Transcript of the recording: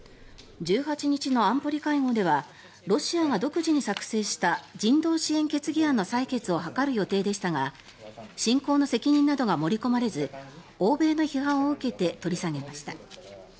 １８日の安保理会合ではロシアが独自に作成した人道支援決議案の採決を諮る予定でしたが侵攻の責任などが盛り込まれず欧米の批判を受けて取り下げました。